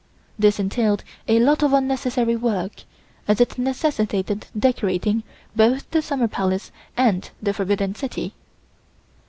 This entailed a lot of unnecessary work as it necessitated decorating both the Summer Palace and the Forbidden City.